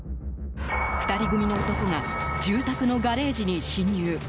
２人組の男が住宅のガレージに侵入。